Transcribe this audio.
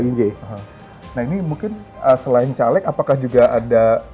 nah ini mungkin selain caleg apakah juga ada